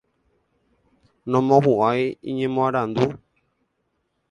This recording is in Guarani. Nomohu'ãi iñemoarandu.